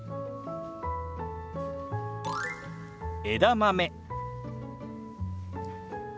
「枝豆」。